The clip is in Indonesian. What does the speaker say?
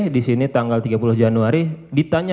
di sini tanggal tiga puluh januari ditanya